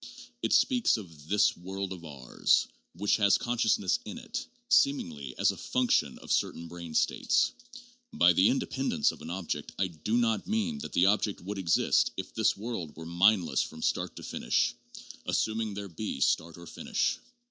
It speaks of this world of ours, which has consciousness in it, seemingly as a ' function ' of certain brain states. By the ' independence ' of an object I do not mean that the object would exist if this world were mindless from start to finish, assuming there be start or finish.